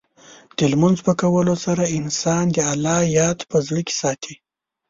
د لمونځ په کولو سره، انسان د الله یاد په زړه کې ساتي.